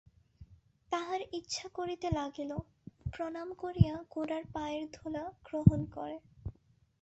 তাহার ইচ্ছা করিতে লাগিল প্রণাম করিয়া গোরার পায়ের ধুলা গ্রহণ করে।